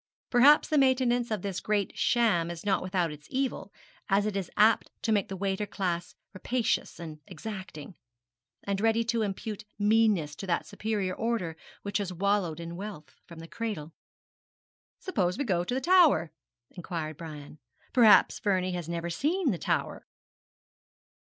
Perhaps the maintenance of this great sham is not without its evil, as it is apt to make the waiter class rapacious and exacting, and ready to impute meanness to that superior order which has wallowed in wealth from the cradle. 'Suppose we go to the Tower?' inquired Brian. 'Perhaps Vernie has never seen the Tower?'